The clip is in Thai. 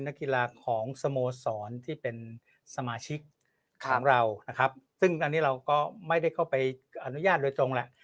นักกีฬาของสโมสรที่เป็นสมาชิกของเรานะครับซึ่งอันนี้เราก็ไม่ได้เข้าไปอนุญาตโดยตรงแหละ